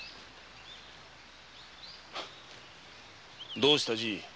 どうしたじぃ？